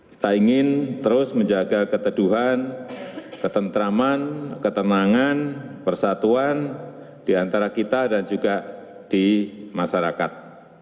kita ingin terus menjaga keteduhan ketentraman ketenangan persatuan di antara kita dan juga di masyarakat